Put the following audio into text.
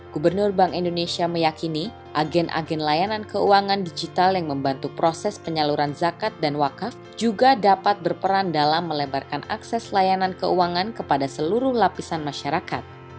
gubernur bank indonesia meyakini agen agen layanan keuangan digital yang membantu proses penyaluran zakat dan wakaf juga dapat berperan dalam melebarkan akses layanan keuangan kepada seluruh lapisan masyarakat